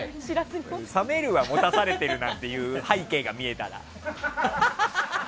冷めるわ、持たされてるなんていう背景が見えたら。